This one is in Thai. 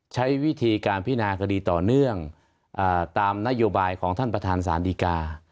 ใช้วิธีการพินาคดีต่อเนื่องตามนโยบายของท่านประธานศาลดีกา